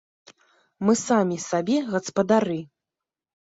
Мы самі сабе гаспадары!